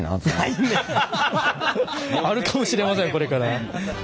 あるかもしれませんこれから。